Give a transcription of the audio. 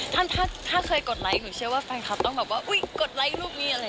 ถ้าเคยกดไลค์หนูเชื่อว่าแฟนคลับต้องกดไลค์รูปนี้